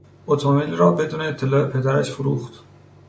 اتومبیل را بدون اطلاع پدرش فروخت.